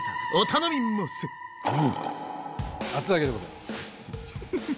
厚揚げでございます。